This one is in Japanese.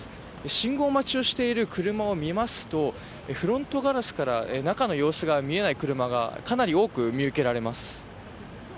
信号待ちをしている車を見ますとフロントガラスから中の様子が見えない車がかなり多く見受けられます。